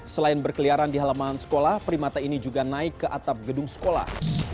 selain berkeliaran di halaman sekolah primata ini juga naik ke atap gedung sekolah